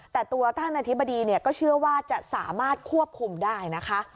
แต่ตัวท่านอธิบดีก็เชื่อว่าจะสามารถควบคุมได้นะคะ